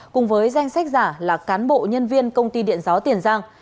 cùng với danh sách giả là cán bộ nhân viên công ty điện gió tiền giang